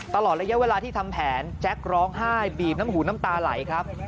ตลอดระยะเวลาที่ทำแผนแจ็คร้องไห้บีบน้ำหูน้ำตาไหลครับ